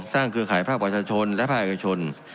เครือข่ายภาคประชาชนและภาคเอกชน